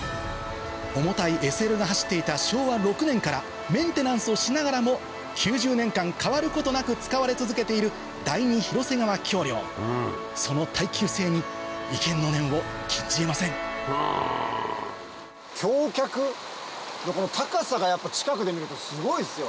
重たいＳＬが走っていた昭和６年からメンテナンスをしながらも９０年間変わることなく使われ続けている第二広瀬川橋梁その耐久性に畏敬の念を禁じ得ません橋脚の高さがやっぱ近くで見るとすごいっすよね。